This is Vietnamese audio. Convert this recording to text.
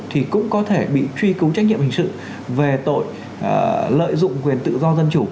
thì cũng có thể bị truy cứu trách nhiệm hình sự về tội lợi dụng quyền tự do dân chủ